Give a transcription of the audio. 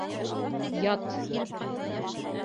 Ят!